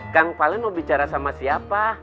kang valen mau bicara sama siapa